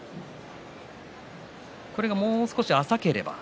これがもう少し浅ければ。